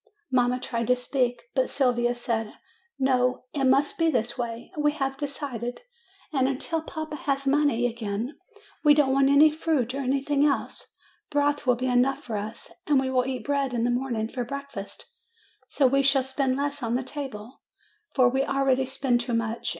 Mamma tried to speak; but Sylvia said: "No; it must be this way. We have decided. And until papa has money again, we don't want any fruit or anything else ; broth will be enough for us, and we will eat bread in the morning for breakfast : so we shall spend less on the table, for we already spend too much.